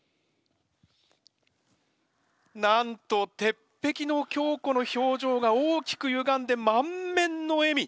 なんと鉄壁の強子の表情が大きくゆがんで満面の笑み。